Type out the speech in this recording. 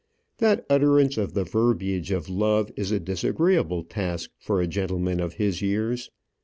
That utterance of the verbiage of love is a disagreeable task for a gentleman of his years.